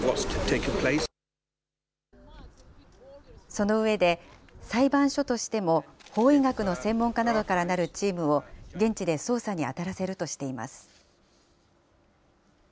その上で、裁判所としても、法医学の専門家などからなるチームを、現地で捜査に当たらせるとしています。